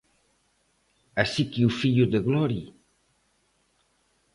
Así que o fillo de Glori...